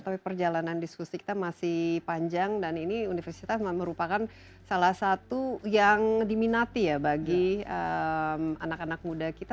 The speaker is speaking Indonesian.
tapi perjalanan diskusi kita masih panjang dan ini universitas merupakan salah satu yang diminati ya bagi anak anak muda kita